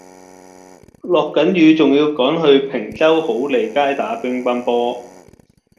落緊雨仲要趕住去坪洲好利街打乒乓波